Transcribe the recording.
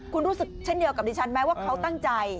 คุณรู้สึกเช่นเดียวกับดิฉันไหมว่าเขาตั้งใจ